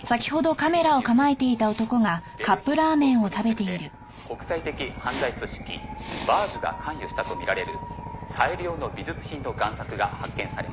「ベルギーの首都ブリュッセルで国際的犯罪組織バーズが関与したとみられる大量の美術品の贋作が発見されました」